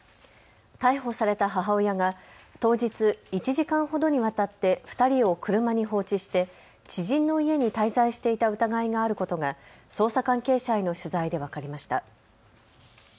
逮捕された母親が当日、１時間ほどにわたって２人を車に放置して知人の家に滞在していた疑いがあることが捜査関係者への取材で分かりました。